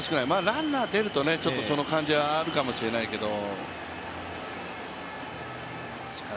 ランナー出ると、その感じはあるかもしれないけど。